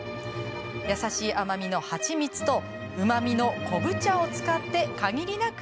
優しい甘みの蜂蜜とうまみの昆布茶を使って限りなく